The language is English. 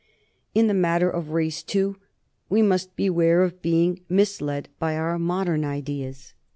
In the matter of race, too, we must beware of being misled by our modern ideas.